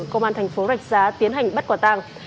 công an thành phố rạch giá tiến hành bắt quả tàng